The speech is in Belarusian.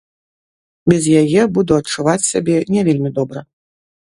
Без яе буду адчуваць сябе не вельмі добра.